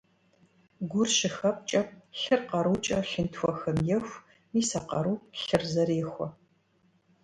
Гур щыхэпкӀэм, лъыр къарукӀэ лъынтхуэхэм еху, мис а къарум лъыр зэрехуэ.